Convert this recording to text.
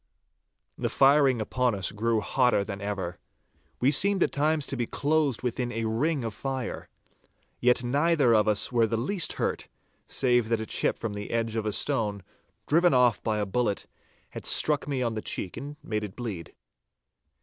The firing upon us grew hotter than ever. We seemed at times to be closed within a ring of fire. Yet neither of us were the least hurt, save that a chip from the edge of a stone, driven off by a bullet, had struck me on the cheek and made it bleed.